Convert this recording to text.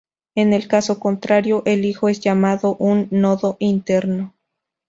En el caso contrario el hijo es llamado un nodo interno.